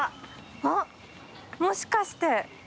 あっもしかして。